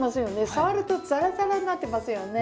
触るとザラザラになってますよね。